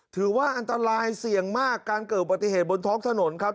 ถือว่าอันตรายเสี่ยงมากการเกิดอุบัติเหตุบนท้องถนนครับ